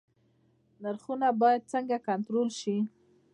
نرخونه باید څنګه کنټرول شي؟